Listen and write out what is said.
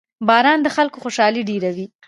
• باران د خلکو خوشحالي ډېروي.